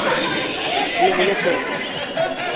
ছেলে মিলেছে।